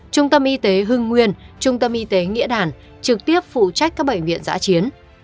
trung tâm y tế hưng nguyên trung tâm y tế nghĩa đàn trực tiếp phụ trách các bệnh viện giã chiến